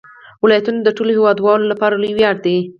ولایتونه د ټولو هیوادوالو لپاره لوی ویاړ دی.